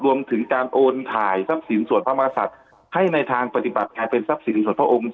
รวมถึงการโอนถ่ายทรัพย์สินส่วนพระมศัตริย์ให้ในทางปฏิบัติกลายเป็นทรัพย์สินส่วนพระองค์